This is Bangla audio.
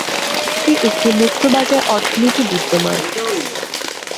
কানাডাতে একটি মুক্ত বাজার অর্থনীতি বিদ্যমান।